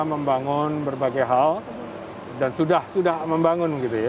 membangun berbagai hal dan sudah sudah membangun gitu ya